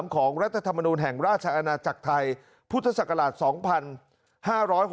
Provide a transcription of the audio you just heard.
รัฐธรรมนูลแห่งราชอาณาจักรไทยพุทธศักราช๒๕๖๖